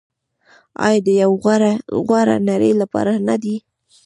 آیا د یوې غوره نړۍ لپاره نه دی؟